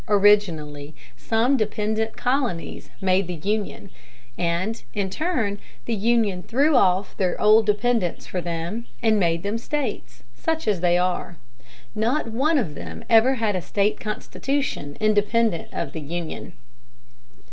Originally some dependent colonies made the Union, and, in turn, the Union threw off their old dependence for them, and made them States, such as they are. Not one of them ever had a State constitution independent of the Union."